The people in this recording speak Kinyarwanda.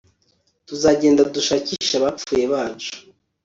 tuzagenda dushakishe abapfuye bacu